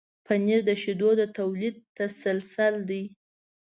پنېر د شیدو د تولید تسلسل دی.